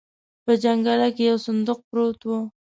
په جنګله کې يو صندوق پروت و.